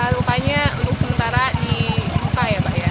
lukanya luka sementara di luka ya pak ya